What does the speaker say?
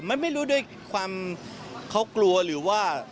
มันไม่รู้ด้วยความเขากลัวหรือว่า